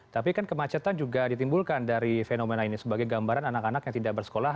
tapi kan kemacetan juga ditimbulkan dari fenomena ini sebagai gambaran anak anak yang tidak bersekolah